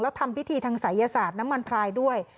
แล้วทำพิธีทางศัยศาสตร์น้ำมันพรายด้วย